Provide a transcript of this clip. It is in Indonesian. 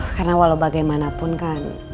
karena walau bagaimanapun kan